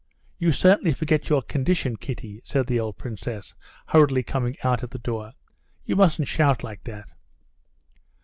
"You certainly forget your condition, Kitty," said the old princess, hurriedly coming out at the door. "You mustn't shout like that."